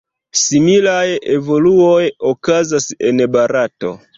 Similaj evoluoj okazas en Barato.